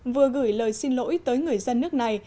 vừa gửi lời xin lỗi tới người dân nước này